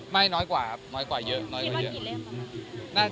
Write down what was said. ไม่น้อยกว่าแค่เยอะ